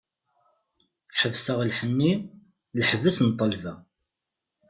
Ḥebseɣ lḥenni, leḥbas n ṭṭelba.